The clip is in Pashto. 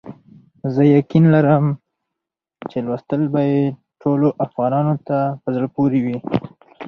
زه یقین لرم چې لوستل به یې ټولو افغانانو ته په زړه پوري وي.